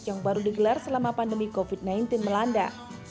yang baru digelar selama pandemi covid sembilan belas melanda